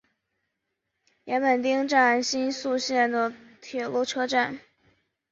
岩本町站新宿线的铁路车站。